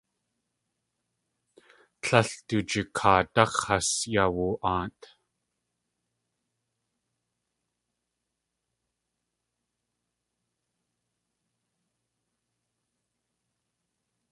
Tlél du jikaadáx̲ has yawu.aat.